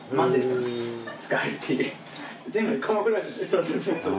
そうそう、そうそう。